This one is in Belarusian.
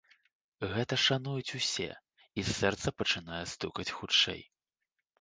Гэта шануюць усе, і сэрца пачынае стукаць хутчэй.